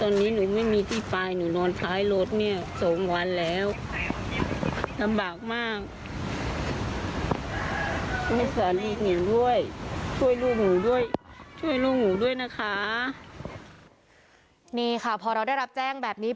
นี่ค่ะพอเราได้รับแจ้งแบบนี้